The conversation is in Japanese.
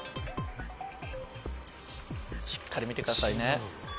しっかり見てくださいね。